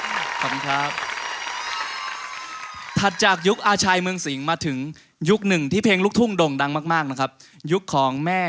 อยู่ในความรักของเธออยู่ในความรักของเธอ